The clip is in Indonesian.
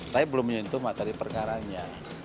tapi belum menyentuh materi perkaranya